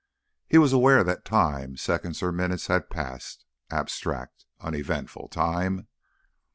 He was aware that time seconds or minutes had passed, abstract, uneventful time.